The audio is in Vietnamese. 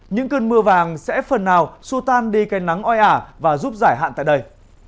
những cơn mưa vàng sẽ phần nào xua tan đi cây nắng oi ả và giúp giải hạn tại đây